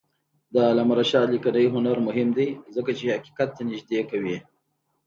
د علامه رشاد لیکنی هنر مهم دی ځکه چې حقیقت ته نږدې کوي.